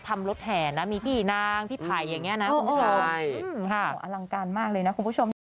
รถแห่นะมีพี่นางพี่ไผ่อย่างนี้นะคุณผู้ชมอลังการมากเลยนะคุณผู้ชมนะ